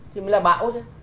thì mới là bão chứ